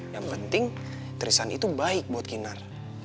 yang penting trisan itu baik buat kinar